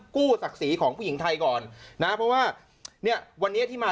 ศักดิ์ศรีของผู้หญิงไทยก่อนนะเพราะว่าเนี่ยวันนี้ที่มา